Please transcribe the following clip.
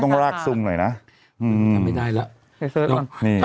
เป็นการกระตุ้นการไหลเวียนของเลือด